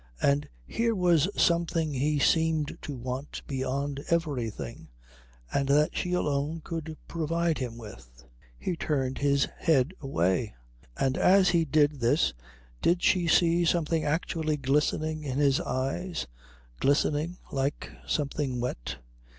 And here was something he seemed to want beyond everything, and that she alone could provide him with. He turned his head away; and as he did this did she see something actually glistening in his eyes, glistening like something wet?